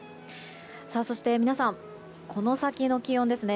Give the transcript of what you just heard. そして、皆さんこの先の気温ですね。